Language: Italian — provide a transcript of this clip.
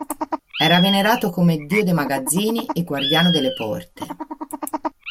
Era venerato come dio dei magazzini e guardiano delle porte.